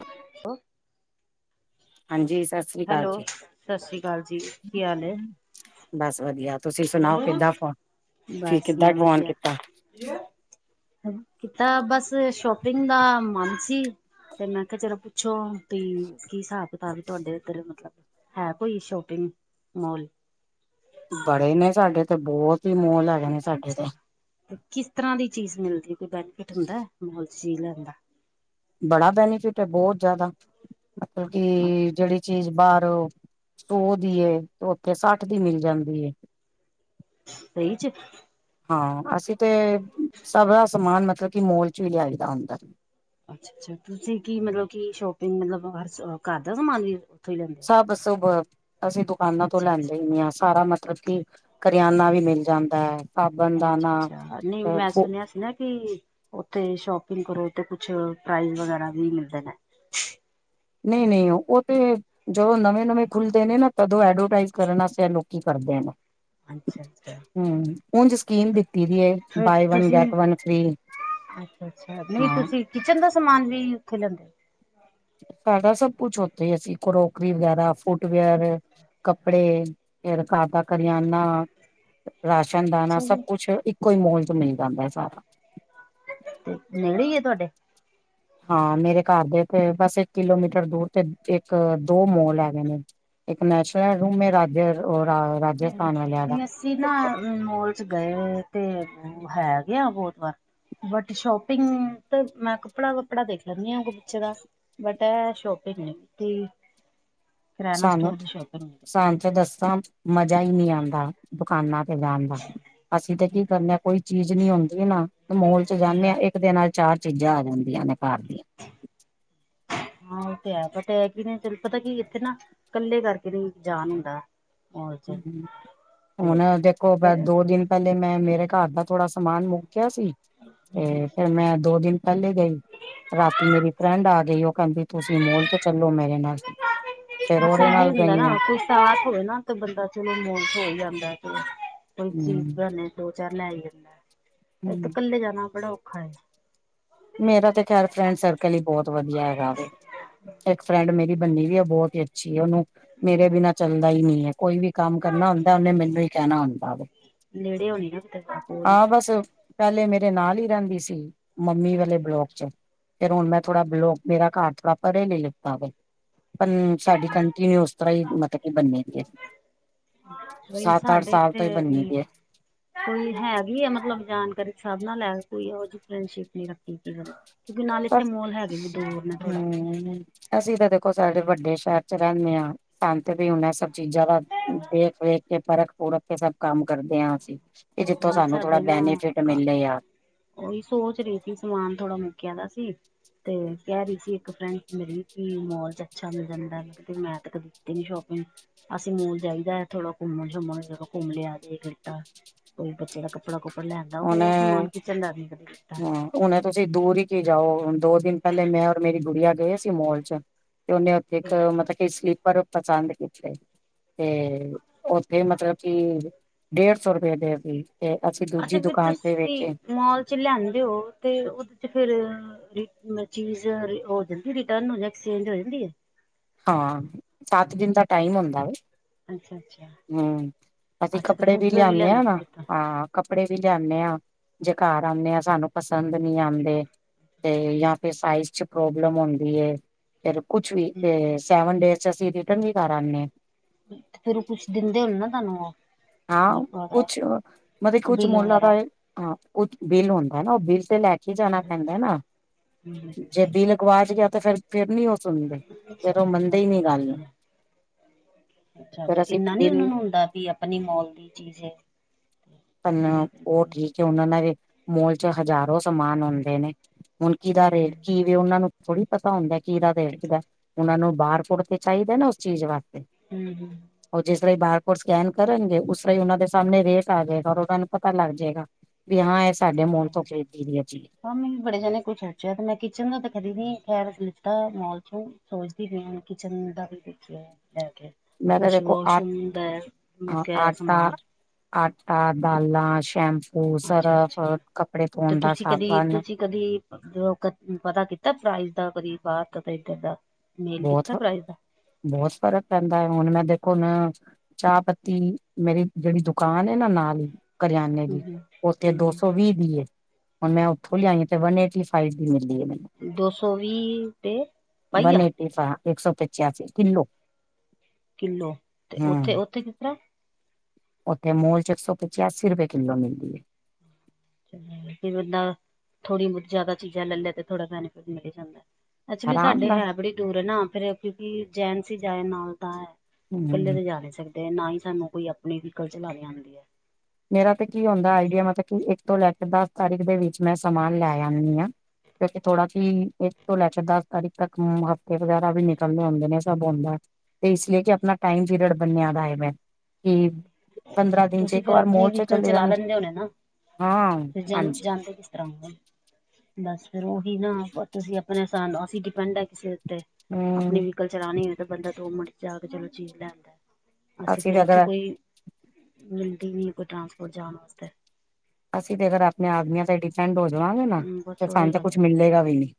[unintelligible] ਹੋ ਹਾਂਜੀ ਸਸ ਸ੍ਰੀ ਕਾਲ ਹੈਲੋ ਜੀ। ਸਤਿ ਸ਼੍ਰੀ ਅਕਾਲ ਜੀ ਕੀ ਹਾਲ ਹੈ ਬਸ ਵਧੀਆ। ਤੁਸੀ ਸੁਣਾਓ ਕਿੱਦਾਂ ਫੋਨ, ਫਿਰ ਕਿੱਦਾਂ ਫੋਨ ਕੀਤਾ? ਕੀ ਐ। ਹੰ, ਕੀਤਾ ਬਸ ਸ਼ੋਪਿੰਗ ਦਾ ਮਨੰ ਸੀ। ਤੇ ਮੈਂ ਕਿਆ ਚਲੋ ਪੁੱਛੋ ਤੀ ਕੀ ਹਿਸਾਬ ਕਿਤਾਬ ਏ ਤੁਆਡੇ ਏੱਧਰ ਮਤਲਬ ਹੈ ਕੋਈ ਸ਼ੋਪਿੰਗ ਮੌਲ? ਬੜੇ ਨੇ ਸਾਡੇ ਏੱਥੇ ਬੋਤ ਈ ਮੌਲ ਅੱਛਾ-ਅੱਛਾ ਤੇ ਕਿਸ ਤਰ੍ਹਾਂ ਦੀ ਚੀਜ਼ ਮਿਲਦੀ ਏ ਕੋਈ ਬੈਨੀਫਿਟ ਹੁੰਦੈ ਮੌਲ 'ਚ ਚੀਜ਼ ਲੈਨ ਦਾ? ਬੜਾ ਬੈਨੀਫਿਟ ਏ ਬੋਤ ਜਿਆਦਾ, ਮਤਲਬ ਕਿ ਜੜੀ ਚੀਜ ਬਾਰ ਸੌ ਦੀ ਏ ਤੇ ਓਥੇ ਸੱਠ ਦੀ ਮਿਲ ਜਾਂਦੀ ਏ। ਸਈ 'ਚ? ਹਾਂ, ਅਸੀ ਤੇ ਸਭਰਾ ਸਮਾਨ ਮਤਲਬ ਕਿ ਮੌਲ 'ਚੋਂ ਈ ਲਿਆਈਦਾ ਹੁੰਦੈ। ਅੱਛਾ-ਅੱਛਾ, ਤੁਸੀ ਕੀ ਮਤਲਬ ਕਿ ਸ਼ੋਪਿੰਗ ਮਤਲਬ ਹਰ ਸ ਘਰ ਦਾ ਸਮਾਨ ਵੀ ਓਥੋਂ ਈ ਲਿਆਂ ਸਭ-ਸੁਭ, ਅਸੀ ਦੁਕਾਨਾਂ ਤੋਂ ਅੱਛਾ ਲੈਂਦੇ ਅੱਛਾ ਈ ਨੀ ਆਂ। ਸਾਰਾ ਮਤਲਬ ਕਿ ਕਰਿਆਨਾ ਵੀ ਮਿਲ ਜਾਂਦੈ, ਸਾਬਨ ਦਾਨਾ ਹਾਂ, ਰ ਨੀ ਮੈਂ ਸੁਨ ਮੈਂ ਸੁਨਿਐ ਕਿ ਓਥੇ ਈ ਸ਼ੋਪਿੰਗ ਕਰੋ ਓਥੇ ਕੁਛ ਪ੍ਰਾਈਜ਼ ਵਗੈਰਾ ਵੀ ਮਿਲਦੇ ਨੇ। ਨਈ-ਨਈ ਓ ਤੇ ਜਦੋਂ ਨਵੇਂ-ਨਵੇਂ ਖੁੱਲਦੇ ਨੇ ਨਾ ਤਦੋਂ ਐਡਵਰਟਾਈਜ਼ ਕਰਨ ਆਸੇ ਐ ਲੋਕੀ ਕਰਦੇ ਨੇ। ਅੱਛਾ-ਅੱਛਾ ਹੂੰ, ਉਝ ਸਕੀਮ ਦਿੱਤੀ ਦੀ ਏ ਫਿਰ ਬਾਏ ਵਨ ਤੁਸੀਂ ਗੈੱਟ ਵਨ ਫ੍ਰੀ। ਅੱਛਾ-ਅੱਛਾ ਨਈ ਤੁਸੀ ਕਿਚਨ ਦਾ ਸਮਾਨ ਵੀ ਓਥੇ ਲੈਂਦੇ ਓ? ਸਾਡਾ ਸਭ ਕੁਛ ਓਥੇ ਈ ਐ। ਅਸੀ ਕ੍ਰੋਕਰੀ ਵਗੈਰਾ, ਫੁਟਵੇਅਰ ਕੱਪੜੇ, ਫੇਰ ਘਰ ਦਾ ਕਰਿਆਨਾ ਰਾਸ਼ਨ, ਦਾਨਾ, ਅੱਛਾ ਸਭ ਜੀ ਕੁਛ ਇੱਕੋ ਹੀ ਮੋਲ ਚ' ਮਿਲ ਜਾਂਦਾ ਹੈ ਸਾਰਾ। ਤੇ ਨੇੜੇ ਈ ਏ ਤੁਹਾਡੇ? ਹਾਂ, ਮੇਰੇ ਘਰ ਦੇ ਤੇ ਬਸ ਇੱਕ ਕਿਲੋਮੀਟਰ ਦੂਰ ਤੇ ਇੱਕ, ਦੋ ਮੋਲ ਐ। ਇੱਕ ਨੈਸ਼ਨਲ ਰੂਮ ਮ ਰਾਜੇ [unintelligible] [unintelligible] ਜਿਨਾ ਮੋਲ ਚ' ਗਏ ਤੇ ਹੈਗੇ ਆ ਬਹੁਤ ਵਾਰ। ਬਟ, ਸ਼ੋਪਿੰਗ ਤੇ ਮੈਂ ਕੱਪੜਾ-ਵੱਪੜਾ ਦੇਖ ਲੈਂਦੀ ਹਾਂ ਬੱਚੇ ਦਾ। ਬਟ ਇਹ ਐ ਸ਼ੋਪਿੰਗ ਨੀ ਕੀਤੀ। ਕਰਿਆਨਾ ਸਾਨੂੰ, ਸਟੋਰ ਦੀ ਸ਼ੋਪਿੰਗ ਨਹੀਂ ਕੀਤੀ। ਸਾਨੂੰ ਤੇ ਦਸਾ ਮਜ਼ਾ ਹੀ ਨਹੀਂ ਆਉਂਦਾ ਦੁਕਾਨਾਂ ਜਾਣਦਾ ਅਸੀਂ ਤੇ ਕੀ ਕਰਨੇ ਆ, ਕੋਈ ਚੀਜ਼ ਨੀ ਹੁੰਦੀ, ਨਾ ਮੂਲ ਚ' ਜਾਂਦੇ ਹਾਂ, ਇੱਕ ਦੇ ਨਾਲ ਚਾਰ ਚੀਜ਼ਾਂ ਆ ਜਾਂਦੀਆਂ ਨੇ ਘਰ ਦੀਆਂ। ਹਾਂ ਉਹ ਤੇ ਹੈ, ਬਟ ਐ ਕਿ ਨਹੀਂ ਪਤਾ ਕੀ ਇੱਥੇ ਨਾ ਇਕੱਲੇ ਕਰਕੇ ਨਹੀਂ ਜਾਨ ਹੁੰਦਾ ਮੋਲ ਚ ਤੇ ਹੁਣ ਦੇਖੋ ਬ ਫਿਰ ਦੋ ਦਿਨ ਪਹਿਲੇ ਮੈਂ ਮੇਰੇ ਘਰ ਦਾ ਥੋੜਾ ਸਮਾਨ ਮੁਕਿਆ ਸੀ, ਤੇ ਫੇਰ ਮੈਂ ਦੋ ਦਿਨ ਪਹਿਲੇ ਗਈ, ਰਾਤੀ ਮੇਰੀ ਫਰੈਂਡ ਆ ਗਈ, ਉਹ ਕਹਿੰਦੀ ਤੁਸੀਂ ਮੋਲ 'ਚ ਚੱਲੋ ਮੇਰੇ ਨਾਲ। ਫੇਰ ਦਸਿਆ ਉਹਦੇ ਨਹੀ ਨਾਲ ਹੁੰਦਾ ਨਾ ਗਈ ਆ। ਆਫਿਸ। ਸਾਥ ਹੋਏ ਨਾ ਤੇ ਬੰਦਾ, ਚਲੋ, ਮੋਲ ਹੋ ਹੀ ਆਂਦਾ ਤੇ ਕੋਈ ਚੀਜ਼ ਹਮ ਬਣੇ ਦੋ-ਚਾਰ ਲੈ ਈ ਆਂਦਾ, ਇਥੇ ਕੱਲੇ ਜਾਣਾ ਬੜਾ ਔਖਾ ਐ। ਮੇਰਾ ਤੇ ਖ਼ੈਰ ਫਰੈਂਡ ਸਰ ਕੈਲੀ ਬਹੁਤ ਵਧੀਆ ਹੈਗਾ ਵੇ, ਇੱਕ ਫਰੈਂਡ ਮੇਰੀ ਬੰਨੀ ਵੀ ਐ, ਉਹ ਬਹੁਤ ਹੀ ਅੱਛੀ ਉਹਨੂੰ ਮੇਰੇ ਬਿਨਾ ਚੱਲਦਾ ਹੀ ਨਹੀਂ ਹੈ, ਕੋਈ ਵੀ ਕੰਮ ਕਰਨਾ ਹੁੰਦਾ, ਉਹਨੇ ਮੈਨੂੰ ਹੀ ਕਹਿਣਾ ਹੁੰਦਾ ਵੈ। ਨੇੜੇ ਹੋਣੀ ਆ ਫੇਰ ਕੋਲ ਪਹਿਲੇ ਮੇਰੇ ਨਾਲ ਹੀ ਰਹਿੰਦੀ ਸੀ ਮੰਮੀ ਬਲੋਕ 'ਚ ਫੇਰ ਹੁਣ ਮੈਂ, ਥੋੜਾ ਬਲੌਕ, ਮੇਰਾ ਘਰ ਥੋੜਾ ਪਰੇ ਲਈ ਲਿੱਤਾ ਵੇ। ਹਨ, ਸਾਡੀ ਕੰਟੀਨਿਊ ਉਸ ਤਰ੍ਹਾਂ ਹੀ ਮਤਲਬ ਕਿ ਬੰਨੇ ਦੀ ਹੈ। ਬਈ ਸੱਤ-ਅੱਠ ਸਾਡੇ ਸਾਲ ਇੱਥੇ ਤੋਂ ਹੀ ਬੰਨੀ ਨੀ ਦੀ ਹੈ। ਕੋਈ ਹੈਗੀ ਹੈ ਮਤਲਬ ਜਾਣਕਾਰੀ ਸਬ ਨਾਲ ਹੈ ਵ, ਪਰ ਕੋਈ ਉਹੋ ਜਿਹੀ ਫਰੈਂਡਸ਼ਿਪ ਨੀ ਰੱਖ ਠਕ ਗ, ਕਿਉਂਕਿ ਨਾਲ ਇੱਥੇ ਬਸ ਮੋਲ ਹੈਗੇ ਵੀ ਦੂਰ ਨੇ ਥੋੜਾ। ਹਮ ਅਸੀਂ ਤਾਂ ਦੇਖੋ, ਸਾਡੇ ਵੱਡੇ ਸ਼ਹਿਰ 'ਚ ਰਹਿੰਦੇ ਹਾਂ ਸਨੂੰ ਤੇ ਵਈ ਐ ਸਭ ਚੀਜ਼ਾਂ ਦਾ ਦੇਖ-ਵੇਖ ਕੇ ਪਰਖ-ਪੁਰਖ ਕੇ ਸਭ ਕੰਮ ਕਰਦੇ ਹਾਂ ਅਸੀਂ। ਇਹ ਜਿੱਥੋਂ ਥੋੜਾ ਸਾਨੂੰ ਥੋੜਾ ਬੈਨੀਫਿਟ ਮਿਲਿਆ। ਓਹੀ ਸੋਚ ਰਹੀ ਸੀ, ਸਮਾਨ ਥੋੜਾ ਮੁਕਿਆ ਦਾ ਸੀ। ਤੇ ਕਹਿ ਰਹੀ ਸੀ ਇੱਕ ਫਰੈਂਡ ਮੇਰੀ ਕਿ ਮੋਲ 'ਚ ਅੱਛਾ ਮਿਲ ਜਾਂਦਾ, ਤੇ ਮੈਂ ਤਾਂ ਕਦੇ ਨੀ ਸ਼ੋਪਿੰਗ ਅਸੀਂ ਮੋਲ ਜਾਈਦਾ, ਥੋੜਾ ਘੁੰਮਣ-ਸ਼ੁਮਣ ਚਲੋ ਘੁੰਮ ਲਿਆ, ਦੇਖ਼ ਲੀਤਾ। ਕੋਈ ਬੱਚੇ ਦਾ ਕੱਪੜਾ-ਕੁੱਪੜਾ ਲੈਂਂਦਾ, ਹੋਰ ਸਮਾਨ ਕਿਚਣ ਦਾ ਨੀ ਕਦੇ ਲਿਤਾ। ਹੁਣ ਤੁਸੀਂ ਦੂਰ ਹੀ ਕੀ ਜਾਓ, ਦੋ ਦਿਨ ਪਹਿਲੇ ਮੈਂ ਔਰ ਮੇਰੀ ਗੁੜੀਆ ਗਏ ਸੀ ਮੋਲ 'ਚ ਤੇ ਉਹਨੇ ਇੱਕ ਮਤਲਬ ਕੀ ਸਲੀਪਰ ਪਸੰਦ ਕੀਤੇ ਤੇ ਉੱਥੇ ਮਤਲਬ ਕਿ ਡੇਢ ਸੌ ਰੁਪਏ ਦੇ ਸੀ, ਤੇ ਅਸੀਂ ਅੱਛਾ ਦੂਜੀ ਦ ਫਿਰ ਤੁਸੀਂ ਮੋਲ 'ਚ ਲਿਆਂਦੇ ਹੋ, ਤੇ ਓਥੇ ਫੇਰ ਚੀਜ਼ ਹੋ ਜਾਂਦੀ, ਰਿਟਰਨ ਹੋ ਜਾਂਦੀ, ਐਕਸਚੇਂਜ ਹੋ ਜਾਂਦੀ ਹੈ? ਹਾਂ ਸੱਤ ਦਿਨ ਦਾ ਟਾਈਮ ਹੁੰਦਾ ਵੈ। ਅੱਛਾ ਅੱਛਾ। ਹਮ, ਅਸੀਂ ਅੱਛਾ ਤੇ ਕੱਪੜੇ ਵੀ ਫੁੱਟਵੇਅਰ ਲਿਆਦੇ ਲਿਆਂਦੇ ਹਾਂ ਨਾ, ਤੁਸੀਂ ਇੱਥੋਂ। ਹਾਂ। ਕੱਪੜੇ ਵੀ ਲਿਆਦੇ ਹਾਂ, ਜੇ ਘਰ ਆਉਂਦੇ ਹਾਂ, ਸਾਨੂੰ ਪਸੰਦ ਨੀ ਆਂਦੇ, ਤੇ ਜਾਂ ਫੇਰ ਸਾਈਜ਼ ਚ ਪ੍ਰੋਬਲਮ ਹੁੰਦੀ ਹੈ ਫੇਰ ਕੁਛ ਨੀ ਤੇ ਸੈਵਨ ਡੇਜ਼ ਚ ਅਸੀ ਰਿਟਨ ਵੀ ਕਰ ਆਨੇ ਆਂ। ਫੇਰ ਓ ਕੁਛ ਦਿੰਦੇ ਹੋਣੇ ਨਾ ਤੁਆਨੂੰ ਓ ਹਾਂ, ਕੁਛ ਅ ਮਤਲਬ ਕੁਛ ਬਿੱਲ ਮੁੱਲਾਂ ਵਗੈਰਾ ਦਾ ਏ ਹਾਂ ਕੁੱਛ ਬਿੱਲ ਹੁੰਦਾ ਨਾ ਓ ਬਿੱਲ ਤੇ ਲੈ ਕੇ ਈ ਜਾਣਾ ਪੈਂਦਾ ਐ ਨਾ, ਜੇ ਬਿਲ ਗਵਾਚ ਗਿਆ ਤੇ ਫੇਰ-ਫੇਰ ਨੀ ਓ ਸੁਣਦੇ, ਫੇਰ ਓ ਮੰਨਦੇ ਈ ਨੀ ਅੱਛਾ ਗੱਲ ਨੂੰ ਅੱਛਾ ਅੱਛਾ ਫਿਰ ਤੇ ਅਸੀਂ ਇੰਨਾ ਨੂੰ ਓਨਾਂ ਬਿੱਲ ਨੂੰ ਹੁੰਦਾ ਵੀ ਆਪਣੀ ਮੋਲ ਦੀ ਚੀਜ ਐ। ਪਰ ਨਾ ਓ ਠੀਕ ਐ ਓਨਾਂ ਨਾਲੇ ਮੋਲ ਚ ਹਜ਼ਾਰੋ ਸਮਾਨ ਹੁੰਦੇ ਨੇ ਮੁਨਕੀ ਦਾ ਹਮ ਰੇਟ ਕੀ ਅ? ਕੇ ਓਨਾਂ ਨੂੰ ਥੋੜੀ ਪਤਾ ਹੁੰਦੈ ਕੀਦਾ ਰੇਟ ਕਿਦਾ ਓਨਾ ਨੂੰ ਬਾਰ ਕੋਡ ਤੇ ਚਾਈਦਾ ਨਾ ਉਸ ਚੀਜ਼ ਵਾਸਤੇ ਹੂੰ-ਹੂੰ। ਓ ਜਿਸ ਤਰਾਂ ਈ ਬਾਰ ਕੋਡ ਸਕੈਨ ਕਰਨਗੇ ਉਸ ਤਰਾ ਈ ਓਨਾਂ ਦੇ ਸਾਮਣੇ ਰੇਟ ਆ ਜਾਏ ਪਤਾ ਲੱਗ ਜੇਗਾ ਵੀ ਹਾਂ ਏ ਸਾਡੇ ਮੋਲ ਤੋਂ ਖਰੀਦੀ ਦੀ ਐ ਚੀਜ਼। ਹਾਂ ਮੈਂ ਬੜੇ ਜਾਣੇ ਕੁਛ ਖਰਚੇਆ ਤੇ ਮੈਂ ਕਿਚਨ ਦਾ ਤਾਂ ਕਦੀ ਨੀ ਖੈਰ ਲਿੱਤਾ ਮੌਲ ਚੋ ਸੋਚਦੀ ਪਈ ਆ ਕਿਚਨ ਦਾ ਵੀ ਦੇਖੀਏ ਲੈ ਕੇ। ਮੈਂ ਤਾਂ ਕੁਛ ਦੇਖੋ ਆ ਵਾਸ਼ਰੂਮ ਦਾ ਐ, ਹਾਂ ਮੁੱਕੇਆ ਹੋਏਆ ਆਟਾ ਸਮਾਨ ਆਟਾ, ਦਾਲਾਂ, ਸ਼ੈਂਪੂ, ਅੱਛਾ ਸਰਫ, ਅੱਛਾ ਕੱਪੜੇ ਤੇ ਧੋਣ ਦਾ ਤੁਸੀਂ ਕਦੀ ਸਾਬਨ ਤੁਸੀਂ ਕਦੀ ਅ ਪਤਾ ਕੀਤਾ ਪ੍ਰਾਈਜ਼ ਦਾ ਕਦੀ ਬਾਹਰ ਦਾ ਤੇ ਏਦਰ ਦਾ ਮੇਲ ਬੋਤ ਕੀਤਾ ਫਰਕ, ਪ੍ਰਾਈਜ਼ ਦਾ ਬੋਤ ਫਰਕ ਪੈਂਦਾ ਐ ਹੁਨ ਮੈਂ ਦੇਖੋ ਨਾ ਚਾਹ ਪੱਤੀ ਮੇਰੀ ਜੇੜੀ ਦੁਕਾਨ ਐ ਨਾ ਨਾਲ ਈ ਕਰਿਆਨੇ ਦੀ, ਹਮ ਓਥੇ ਦੋ ਹਮ ਸੌ ਵੀ ਦੀ ਐ। ਹੁਨ ਮੈਂ ਓਥੋਂ ਲੇਆਈ ਆਂ ਤੇ ਵਨ ਏਟੀ ਫਾਈਵ ਦੀ ਮਿਲਦੀ ਐ ਮੈਨੂੰ। ਦੋ ਸੌ ਵੀਹ ਤੇ ਪਾਈਆ। [unintelligible] ਇੱਕ ਸੌ ਪਚਾਸੀ ਕਿੱਲੋ। ਕਿੱਲੋ ਤੇ ਓਥੇ-ਓਥੇ ਕਿਸ ਤਰਾਂ ਓਥੇ ਮੋਲ ਚ ਇੱਕ ਸੌ ਪਚਾਸੀ ਰੁਪਏ ਕਿੱਲੋ ਮਿਲਦੀ ਐ। ਤੇ ਬੰਦਾ, ਥੋੜੀ ਬੋਤ ਜ਼ਾਦਾ ਚੀਜ਼ਾਂ ਲੈ ਲੇ ਤੇ ਥੋੜਾ ਬੈਨੀਫਿਟ ਮਿਲ ਜਾਂਦਾ। ਐਕਚੁਲੀ ਆਰਾਮ ਸਾਡੇ ਨਾਲ ਹੈ ਬੜੀ ਦੂਰ ਐ ਨਾ ਫੇਰ ਕਿਓਂਕੀ ਜੈਂਟਸ ਈ ਜਾਏ ਨਾਲ ਤਾਂ ਐ। ਕੱਲੇ ਹੂੰ ਤੇ ਜਾ ਨੀ ਸਕਦੇ ਨਾ ਈ ਸਾਨੂੰ ਕੋਈ ਆਪਣੀ ਵੀਕਲ ਚਲਾਨੀ ਆਂਦੀ ਐ। ਮੇਰਾ ਤੇ ਕੀ ਹੁੰਦਾ ਆਈਡੀਆ ਮਤਲ ਕਿ ਇੱਕ ਤੋਂ ਲੈ ਕੇ ਦਸ ਤਾਰੀਖ ਦੇ ਵਿੱਚ ਮੈਂ ਸਮਾਨ ਲੈ ਆਨੀ ਆਂ ਕਿਓਂਕੇ ਥੋੜਾ ਕੀ ਇੱਕ ਤੋਂ ਲੈ ਕੇ ਦਸ ਤਾਰੀਖ ਤੱਕ ਹਫਤੇ ਵਗੈਰਾ ਵੀ ਨਿਕਲ ਜਾਂਦੇ ਨੇ ਸਬ ਹੁੰਦੈ। ਤੇ ਇਸ ਲਈ ਕਿ ਆਪਣਾ ਟਾਈਮ ਪੀਰੀਅਡ ਬਨੇਆ ਦਾ ਐਮੈ ਕੀ ਪੰਦਰਾਂ ਦਿਨ ਚ ਫੇਰ ਵਾਰ ਆਪਣੀ ਮੋੜ ਚ ਵੀਕਲ ਚਲੇ ਚਲਾ ਜਾਣੀ ਲੈਂਦੇ ਹੋਣੇ ਨਾ, ਹਾਂ ਫਿਰ ਜਾਂ ਹਾਂਜੀ ਜਾਂਦੇ ਕਿਸ ਤਰਾਂ ਓ? ਬਸ ਫੇਰ ਓਹੀ ਨਾ ਤੁਸੀਂ ਆਪਣੇ [unintelligible] ਅਸੀਂ ਡਿਪੈਂਡ ਆਂ ਕਿਸੇ ਉੱਤੇ ਆਪਣੀ ਹੂੰ ਵੀ [unintelligible] ਚਲਾਣੀ ਹੋਏ ਤਾਂ ਬੰਦਾ ਦੋ ਮਿੰਟ ਚ ਜਾ ਕੇ ਚਲੋ ਚੀਜ਼ ਲੈ ਆਂਦਾ, ਅਸੀਂ ਫੇਰ ਤੇ ਇੱਥੋਂ ਅਗਰ ਕੋਈ ਮਿਲਦੀ ਨੀ ਕੋਈ ਟਰਾਂਸਪੋਟ ਜਾਣ ਵਾਸਤੇ। ਅਸੀਂ ਤੇ ਅਗਰ ਆਪਣੇ ਆਦਮੀਆਂ ਤੇ ਡਿਪੈਂਡ ਹੋ ਜਵਾਂਗੇ ਨਾ ਹਮ ਤੇ ਸਾਨੂੰ ਤੇ ਕੁਛ ਮਿਲੇਗਾ ਵੀ ਨੀ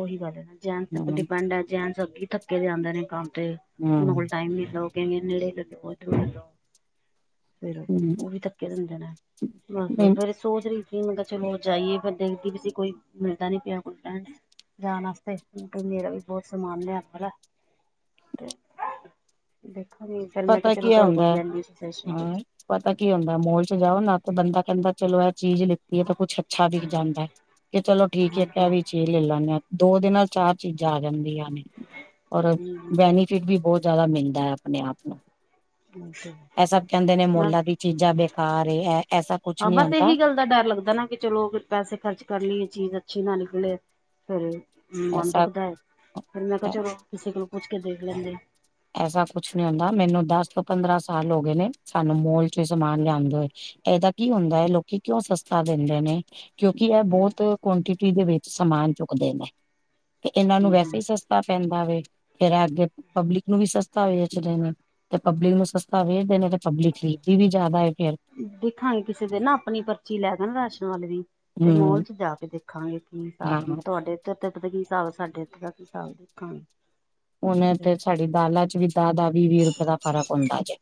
ਓਹੀ ਗੱਲ ਐ ਨਾ ਜੈਂਟਸ ਦੇ ਉੱਪਰ ਹੂੰ ਡਿਪੈਂਡ ਆ, ਜੈਂਟਸ ਅੱਗੀ ਥੱ ਕੇ ਵੇ ਆਂਦੇ ਨੇ ਕੰਮ ਤੇ ਓਨਾਂ ਕੋਲ ਹੂੰ ਟਾਈਮ [unintelligible] ਲਓ। ਫੇਰ ਹੂੰ ਓ ਵੀ ਥੱਕੇ ਵੇ ਹੁੰਦੇ ਨੇ, ਬਸ ਨਹੀਂ ਫੇਰ ਸੋਚ ਰਈ ਸੀ ਮੈਂ ਕਿਆ ਚਲੋ ਜਾਈਏ ਦੇਖਦੀ ਵੀ ਸੀ ਕੋਈ ਮਿਲਦਾ ਨੀ ਪਿਆ ਕੋਈ ਟਰਾਂਸ ਜਾਣ ਆਸਤੇ, ਕਿਓਂਕੇ ਮੇਰਾ ਵੀ ਬੋਤ ਸਮਾਨ ਲਿਆਣ ਵਾਲਾ। ਦੇਖਾਂ ਨੀ ਫੇਰ ਮੈਂ ਕਿਆ ਪਤਾ ਚਲੋ ਕੀ ਤੁਆਡੇ ਕੋਲੋ ਹੁੰਦਾ ਲੈਂਦੀ ਸਪੈਸ਼ਲ ਹਾਂ ਕੁਛ। ਪਤਾ ਕੀ ਹੁੰਦਾ ਮੋਲ ਚ ਜਾਓ ਨਾ ਤੇ ਬੰਦਾ ਕੈਂਦਾ ਚਲੋ ਏ ਚੀਜ਼ ਲਿ ਤੀ ਐ ਤਾਂ ਕੁੱਛ ਅੱਛਾ ਵੀ [unintelligible] ਜਾਂਦਾ ਐ ਕਿ ਚਲੋ ਠੀਕ ਐ ਹਾਂ ਕੈ ਹਾਂ ਵੀ ਚੀਜ਼ ਲੈ ਲੈਂਨੇ ਆਂ ਦੋ ਦੇ ਨਾਲ ਚਾਰ ਚੀਜ਼ਾਂ ਆ ਜਾਂਦੀਆਂ ਨੇ ਔਰ ਹਮ ਬੈਨੀਫਿਟ ਵੀ ਬੋਤ ਜਾਦਾ ਮਿਲਦਾ ਐ ਆਪਨੇ- ਆਪ। ਤੁਮ ਸਬ। ਐਹ ਸਭ ਕੈਂਦੇ ਨੇ, ਮੋਲਾਂ ਦੀ ਚੀਜ਼ਾਂ ਬੇਕਾਰ ਏ ਐ। ਹਾਂ, ਬਸ ਏਹੀ ਗੱਲ ਦਾ ਡਰ ਲੱਗਦੈ ਨਾ, ਬਈ ਚਲੋ ਪੈਸੇ ਖਰਚ ਕਰ ਲੀਏ, ਚੀਜ਼ ਅੱਛੀ ਨਾ ਨਿਕਲੇ। ਫੇਰ ਮਨ ਐਸਾ ਦੁਖਦੈ। ਫਿਰ ਮੈਂ ਕੇਆ, ਚਲੋ ਕਿਸੇ ਕੋਲੋ ਪੁੱਛ ਕੇ ਦੇਖ ਲੈਂਦੇ। ਐਸਾ ਕੁਛ ਨੀ ਹੁੰਦਾ, ਮੈਨੂੰ ਦਸ ਤੋਂ ਪੰਦਰਾਂ ਸਾਲ ਹੋ ਗਏ ਨੇ, ਸਾਨੂੰ ਮੋਲ 'ਚੋ ਈ ਸਮਾਨ ਲਿਆਂਦੇ ਹੋਏ। ਐਦਾ ਕੀ ਹੁੰਦਾ ਏ? ਲੋਕੀ ਕਿਉਂ ਸਸਤਾ ਦੇਂਦੇ ਨੇ? ਕਿਉਂਕਿ, ਐ ਬੋਤ ਕੁਆਂਟਿਟੀ ਦੇ ਵਿੱਚ ਸਮਾਨ ਚੁੱਕਦੇ ਨੇ। ਤੇ ਇਨਾਂ ਨੂੰ ਹਮ ਵੈਸੇ ਹਮ ਈ ਸਸਤਾ ਪੈਂਦਾ ਵੇ, ਫੇਰ ਅੱਗੇ ਪਬਲਿਕ ਨੂੰ ਵੀ ਸਸਤਾ ਵੇਚਦੇ ਨੇ, 'ਤੇ ਪਬਲਿਕ ਨੂੰ ਸਸਤਾ ਵੇਚਦੇ ਨੇ ਤੇ ਪਬਲਿਕ ਖਰੀਦਦੀ ਵੀ ਜ਼ਿਆਦਾ ਏ। ਫੇਰ ਦੇਖਾਂਗੇ ਕਿਸੇ ਦਿਨ ਨਾ, ਆਪਨੀ ਪਰਚੀ ਲੈਕੈ ਨਾ, ਰਾਸ਼ਨ ਵਾਲੇ ਦੀ, 'ਤੇ ਹੂੰ ਮੋਲ 'ਚ ਜਾ ਕੇ ਦੇਖ ਦੇਖਾਂਗੇ ਕੀ ਹਾਂ। ਹਿਸਾਬ, ਤੁਹਾਡੇ ਇਥੇ-ਇਥੇ ਦਾ ਕੀ ਹਿਸਾਬ, ਸਾਡੇ ਇੱਥੇ ਦਾ ਕੀ ਹਿਸਾਬ, ਦੇਖਾਂਗੇ। ਹੁਨ ਤੇ ਸਾਡੀ ਦਾਲਾਂ 'ਚ ਵੀ ਦਾਅ-ਦਾਅ ਵੀਹ- ਵੀਹ ਰੁਪਏ ਦਾ ਫ਼ਰਕ ਹੁੰਦਾ ਜੇ।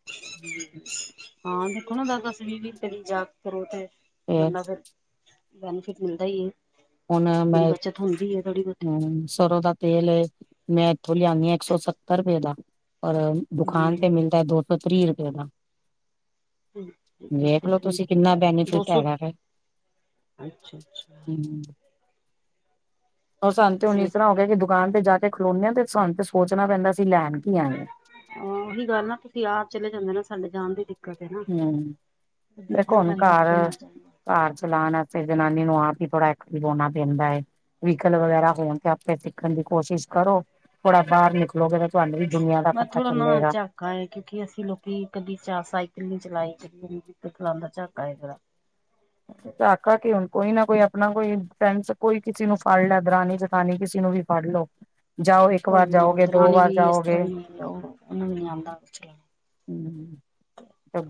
ਹਾਂ, ਦੇਖੋ ਨਾ, ਦਸ-ਦਸ, ਵੀਹ-ਵੀਹ ਰੁਪਏ ਦੀ ਜਾਗ ਕਰੋ ਤੇ ਫੇਰ ਬੰਦਾ ਫਿਰ, ਬੈਨੀਫਿਟ ਮਿਲਦਾ ਈ ਏ। ਹੁਨ ਮੈਂ, ਬਹੁਤੀ ਹਮ ਸਰੋਂ ਦਾ ਤੇਲ ਏ, ਮੈਂ ਇੱਥੋਂ ਲਿਆਨੀ ਆ, ਇੱਕ ਸੌ ਸੱਤਰ ਰੁਪਏ ਦਾ, ਔਰ ਦੁਕਾਨ ਹਮ ਤੇ ਮਿਲਦੈ ਦੋ ਇਕ ਸੌ ਤ੍ਰੀਹ ਰੁਪਏ ਦਾ। ਵੇਖਲੋ ਤੁਸੀਂ, ਕਿੰਨਾ ਬੈਨੀਫਿਟ ਹੈਗਾ ਫਿਰ। ਅੱਛਾ-ਅੱਛਾ। ਹੋਰ, ਸੰਨ ਤੇ ਹੁਨ ਇਸ ਤਰ੍ਹਾਂ ਹੋ ਗਿਆ ਕਿ ਦੁਕਾਨ ਤੇ ਜਾ ਕੇ ਖਲੋਂਨੇ ਆ, ਤੇ ਸੰਨ ਤੇ ਸੋਚਨਾ ਪੈਂਦਾ, ਅਸੀ ਲੈਨ ਕੀ ਆਏ ਆ। ਹਾ, ਓਹੀ ਗੱਲ ਆ ਤੁਸੀਂ ਆਪ ਚਲੇ ਜਾਂਦੇ ਨਾ, ਸਾਡੇ ਜਾਣ ਦੀ ਦਿੱਕਤ ਏ ਨਾਂ, ਹੂੰ। ਦੇਖਨਾ ਪੈਂਦੈ ਕਿਦੇ ਨਾਲ ਜਾਈਏ। ਕਾਰ ਚਲਾਨ ਵਾਸਤੇ ਜਨਾਨੀ ਨੂੰ ਆਪ ਈ ਥੋੜ੍ਹਾ ਐਕਟਿਵ ਹੋਨਾ ਪੈਂਦਾ ਏ। ਵੀਕਲ ਵਗੈਰਾ ਹੋਨ 'ਤੇ ਆਪੇ ਸਿਖੱਨ ਦੀ ਕੋਸ਼ਿਸ਼ ਕਰੋ, ਥੋੜਾ ਬਾਰ ਨਿਕ ਲਓ‌, ਫਿਰ ਤੁਹਾਨੂੰ ਵੀ ਦੁਨੀਆਂ ਦਾ ਪਤਾ ਚੱਲੇਗਾ। ਕਾ ਹੈ, ਕਿਉਂਕਿ ਅਸੀਂ ਲੋਕੀ ਕਦੀ ਚਾ ਸਾਈਕਲ ਨੀ ਚਲਾਈ, ਤੇ ਵੀਕਲ ਚਲਾਂਨ ਦਾ ਝਾਕਾ ਹੈਗਾ। ਝਾਕਾ ਕਿ ਹੁਨ ਕੋਈ ਨਾ ਕੋਈ ਆਪਨਾ, ਕੋਈ ਡਫੈਂਸ, ਕੋਈ ਕਿਸੇ ਨੂੰ ਫੜ ਲੈ, ਦਰਾਨੀ, ਜਠਾਨੀ ਕਿਸੇ ਨੂੰ ਵੀ। ਫੜ ਲੋ, ਜਾਓ ਇੱਕ ਵਾਰ ਜਾਓਗੇ, ਦੋ ਵਾਰ ਜਾਓਗੇ। ਲਓ, ਉਨੂੰ ਨੀ ਆਂਦਾ ਪੁੱਛ ਲੈਨਾ। ਊ।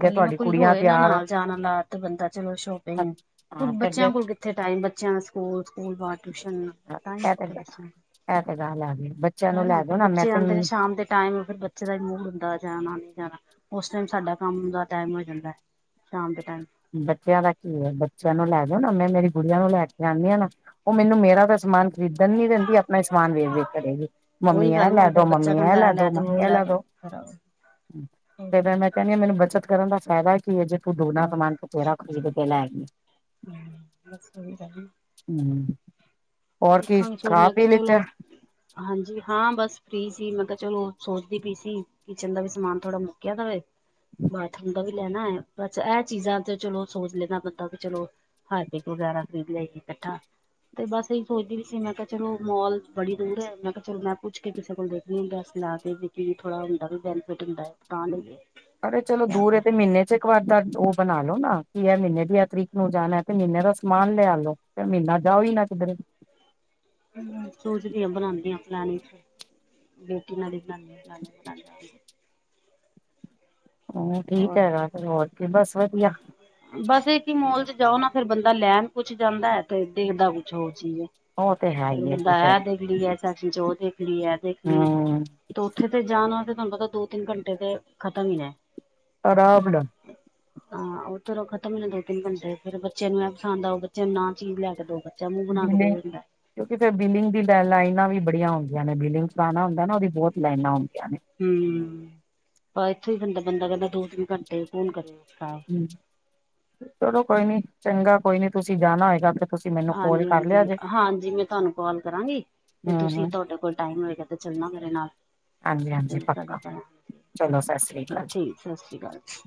ਓਹੀ ਓ, ਕੋਈ ਹੋਏ ਨਾ ਨਾਲ ਜਾਣ ਲਾ ਤੇ ਬੰਦਾ ਚਲੋ ਸ਼ੌਪਿੰਗ ਹਾਂ ਤੇ ਇਨਾਂ ਇਹ ਕੋਲ ਕਿੱਥੇ ਟਾਈਮ, ਬੱਚਿਆਂ ਦਾ ਸਕੂਲ, ਸਕੂਲ ਤੋਂ ਆਕੇ ਟਿਊਸ਼ਨ। ਟਾਇਮ ਤੇ ਇਹ ਕਿਥੇ ਬੱਚਿਆਂ ਕੋਲ, ਤੇ ਗੱਲ ਆ ਗਈ ਬੱਚਿਆਂ ਨੂੰ ਹੈਨਾਂ? ਲੈ ਜਾਓ ਫਿਰ ਨਾ ਮੈਂ ਬੱਚੇ ਤੇ ਆਂਦੇ ਨੇ ਸ਼ਾਮ ਦੇ। ਟਾਈਮ ਬੱਚੇ ਦਾ ਈ ਮੂਡ ਹੁੰਦਾ, ਜਾਨਾ ਨਈ ਜਾਨਾ। ਹੁਨ ਸਾਡਾ ਕੰਮ ਦਾ ਟੈਮ ਹੋ ਜਾਂਦੈ, ਸ਼ਾਮ ਦੇ ਟੈਮ। ਬੱਚਿਆਂ ਦਾ ਕੀ ਏ? ਬੱਚਿਆਂ ਨੂੰ ਲੈ ਦਿਓ ਨਾ, ਮੈਂ ਮੇਰੀ ਗੁੜੀਆਂ ਨੂੰ ਲੈ ਕੇ ਆਨੀ ਆ, ਨਾ। ਉਹ ਮੈਨੂੰ ਮੇਰਾ ਤਾਂ ਸਮਾਨ ਖਰੀਦਨ ਨੀ ਦੇਂਦੀ ਆ। ਮੈਂ ਸਮਾਨ ਵੇਖ-ਵੇਖ ਕਰੇਗੀ, ਮੰਮੀ, ਉਹੀ ਐ ਗੱਲ ਲੈ ਨਾ ਫਿਰ ਦੋ, ਬੱਚਾ ਮੰਮੀ, ਐ ਕਹਿੰਦਾ ਲੈ ਦੋ, ਮੰਮੀ, ਉਹ ਐ ਲੈ ਦੋ। ਫਿਰ ਕਿਵੇ ਮੈਂ ਕੈਂਨੀ ਏ, ਮੈਨੂੰ ਬੱਚਤ ਕਰਨ ਦਾ ਫਾਇਦਾ ਕੀ ਏ। ਜੇ ਤੂੰ ਦੁਗੱਨਾ ਹਾਂ ਸਮਾਨ ਬਥੇਰਾ ਖਰੀਦ ਕੇ ਲੈ ਗੀ। ਹੂੰ, ਬੋਤ ਸੁਵਿਧਾ ਹੈਗੀ। ਹੂੰ, ਹੋਰ ਕੀ ਚਲ ਮੈਂ ਖਾ-ਪੀ ਕਿਹਾ ਲਿਤੈ? ਚਲੋ ਹਾਂਜੀ ਹਾਂ, ਬਸ ਫ੍ਰੀ ਸੀ, ਮੈਂ ਕੇਆ ਚਲੋ, ਸੋਚਦੀ ਪੀ ਸੀ। ਕਿਚਨ ਦਾ ਵੀ ਸਮਾਨ ਥੋੜਾ ਮੁੱਕਿਆ ਦਾ ਵੇ, ਬਾਥਰੂਮ ਦਾ ਵੀ ਲੈਣਾ ਹੈ। ਬਸ ਇਹ ਚੀਜ਼ਾਂ ਤੇ ਚਲੋ ਸੋਚ ਲੈਂਦਾ, ਬੰਦਾ ਵੀ ਚਲੋ ਹਾਰਪਿਕ ਵਗੈਰਾ ਖਰੀਦ ਆਈਏ ਇਕੱਠਾ, ਤੇ ਬਸ ਏਹੀ ਸੋਚਦੀ ਵੀ ਸੀ। ਮੈਂ ਕਿਹਾ ਚਲੋ ਮੋਲ ਬੜੀ ਦੂਰ ਹੈ, ਮੈਂ ਕਿਹਾ ਚਲੋ ਮੈਂ ਪੁੱਛ ਕੇ ਕਿਸੇ ਕੋਲ ਦੇਖਣੀ ਹੁੰ ਡੈਸ ਲਾ ਕੇ ਕੀ ਥੋੜ੍ਹਾ ਹੁੰਦਾ ਵੀ ਬੈਨੀਫਿਟ ਹੁੰਦਾ ਹੈ। ਤਾਂ ਲਈ ਅਰੇ, ਚਲੋ ਦੂਰ ਹੈ। ਤੇ ਮਹੀਨੇ ਚ ਇੱਕ ਵਾਰ ਦਾ ਉਹ ਬਣਾ ਲੋ ਨਾ ਕਿ ਇਹ ਮਹੀਨੇ ਦੀਆਂ ਤਰੀਕ ਨੂੰ ਜਾਣਾ ਤੇ ਮਹੀਨੇ ਦਾ ਸਮਾਨ ਲਿਆ ਲਵੋ। ਤੇ ਮਹੀਨਾ ਜਾਓ ਹੀ ਨਾ ਕਿਧਰੇ ਸੋਚਦੀ ਆਂ ਬਣਾਉਂਦੇ ਆਂ ਪਲੈਨਿੰਗ। ਬੇਟੀ ਨਾਲ ਹੀ ਬਣਾਉਦੇ ਆ, ਪਲੈਨਿੰਗ ਬਣਾਉਦੇ ਆ। ਹਾ, ਠੀਕ ਹੋਰ ਹੈਗਾ। ਫਿਰ ਹੋਰ ਕੀ ਬਸ ਵਧੀਆ। ਬਸ, ਇਕ ਈ ਮੋਲ ਚ ਜਾਓ ਨਾ ਫਿਰ ਬੰਦਾ ਲੈਣ ਕੁੱਛ ਜਾਂਦਾ ਹੈ। ਤੇ ਦੇਖਦਾ ਕੁ ਜੋ ਚੀਜ਼ ਉਹ ਤੇ ਹੈ ਫਿਰ ਹੀ ਹੈ ਬੰਦਾ ਜੀ ਐ ਫਿਰ ਦੇਖ ਲਈ ਐ ਚਾਚੀ ਜੀ ਉਹ ਦੇਖ ਲਈ ਐ ਦੇਖ ਲਈ ਹਮ ਤੇ ਉੱਥੇ ਤੇ ਜਾਣਾ ਤਾਂ ਤੁਹਾਨੂੰ ਪਤਾ ਦੋ ਤਿੰਨ ਘੰਟੇ ਤਾਂ ਖਤਮ ਹੀ ਨੇ ਆਰਾਮ ਨਾਲ [unintelligible] ਹਾਂ, ਉਧਰੋਂ ਖਤਮ ਹੀ ਨੇ ਦੋ ਤਿੰਨ ਘੰਟੇ ਫਿਰ ਬੱਚੇ ਨੂੰ ਇਹ ਪਸੰਦ ਆਊ ਬੱਚੇ ਨੂੰ ਨਾ ਚੀਜ਼ ਲੈ ਕੇ ਦੋ ਫਿਰ ਬਲਿੰਗ, ਕਿਉਂਕਿ ਫਿਰ ਬਿਲਿੰਗ ਦੀ ਲਾਈਨਾਂ ਵੀ ਬੜੀਆਂ ਹੁੰਦੀਆਂ ਨੇ ਬਿਲਿੰਗ ਲੱਗਣਾ ਹੁੰਦਾ ਨਾ ਉਹ ਵੀ ਬਹੁਤ ਲਾਈਨਾ ਹੁੰਦੀਆ ਨੇ। ਹੂ, ਇੱਥੋਂ ਹੀ ਬੰਦਾ ਬੰਦਾ ਕਹਿੰਦਾ ਦੋ ਤਿੰਨ ਘੰਟੇ ਕੌਣ ਕਰੇ ਖਰਾਬ। ਚਲੋ, ਕੋਈ ਨੀ ਚੰਗਾ ਕੋਈ ਨੀ ਤੁਸੀਂ ਜਾਣਾ ਹੋਏਗਾ ਤੇ ਤੁਸੀਂ ਮੈਨੂੰ ਕੋਲ ਹਾਂਜੀ, ਕਰ ਲਿਆ ਜੇ। ਹਾਂਜੀ-ਹਾਂਜੀ, ਮੈਂ ਤੁਹਾਨੂੰ ਕਾਲ ਕਰਾਂਗੀ ਤੇ ਤੁਸੀਂ ਤੁਹਾਡੇ ਕੋਲ ਟਾਈਮ ਹੋਏਗਾ। ਤੇ ਚੱਲਣਾ ਮੇਰੇ ਨਾਲ ਹਾਂਜੀ ਹਾਂਜੀ ਠੀਕ ਸਤਿ ਪੱਕਾ ਚਲੋ ਸਤਿ ਸ੍ਰੀ ਅਕਾਲ। ਸ਼੍ਰੀ ਅਕਾਲ ਜੀ।